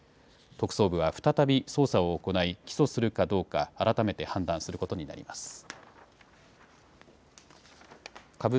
特捜部は再び捜査を行い、起訴するかどうか、改めて判断することになります。